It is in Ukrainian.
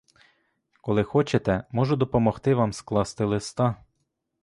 Коли хочете, можу допомогти вам скласти листа.